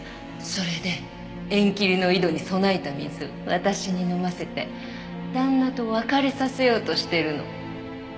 それで縁切りの井戸に供えた水私に飲ませて旦那と別れさせようとしてるの。